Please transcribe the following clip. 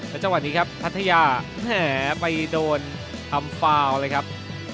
จังหวะนี้ครับพัทยาแหมไปโดนทำฟาวเลยครับ